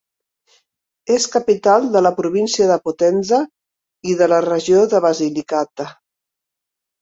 És capital de la província de Potenza i de la regió de Basilicata.